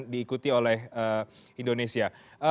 diikuti oleh indonesia